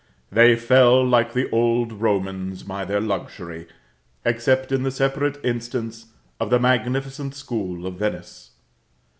They fell, like the old Romans, by their luxury, except in the separate instance of the magnificent school of Venice.